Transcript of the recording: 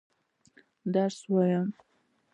درس وايه.